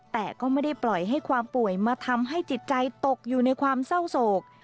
แต่ก็ไม่ได้ปล่อยให้ความป่วยมาทำให้จิตใจตกอยู่ในความเศร้าโศก